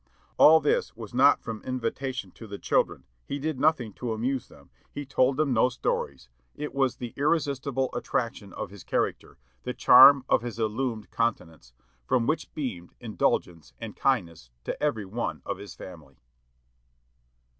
All this was not from invitation to the children; he did nothing to amuse them, he told them no stories; it was the irresistible attraction of his character, the charm of his illumined countenance, from which beamed indulgence and kindness to every one of his family."